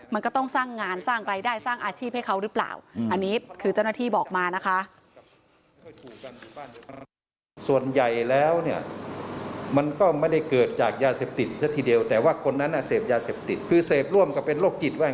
มันก็ต้องสร้างงานสร้างรายได้สร้างอาชีพให้เขาหรือเปล่า